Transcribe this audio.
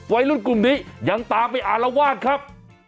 วัยรุ่นกลุ่มนี้ยังตามไปอารวาสครับ